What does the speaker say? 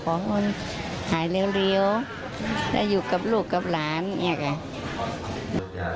ขอให้มันหายเร็วได้อยู่กับลูกกับหลานอย่างนี้ค่ะ